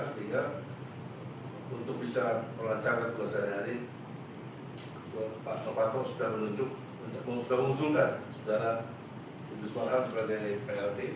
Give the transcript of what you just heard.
sehingga untuk bisa melancarkan tugas sehari hari pak pakto sudah mengusungkan sedara industri perangkat dari plt